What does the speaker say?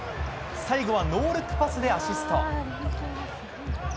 最後はノールックパスでアシスト。